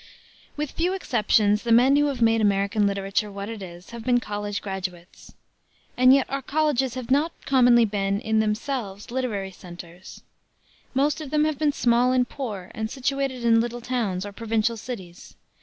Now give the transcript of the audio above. With few exceptions, the men who have made American literature what it is have been college graduates. And yet our colleges have not commonly been, in themselves, literary centers. Most of them have been small and poor, and situated in little towns or provincial cities.